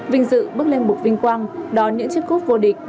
vinh dự bước lên mục vinh quang đón những chiếc cúp vô địch